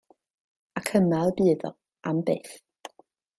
Ac yma y bydd o, am byth.